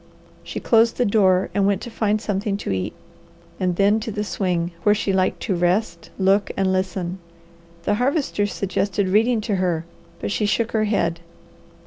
She closed the door and went to find something to eat, and then to the swing, where she liked to rest, look, and listen. The Harvester suggested reading to her, but she shook her head.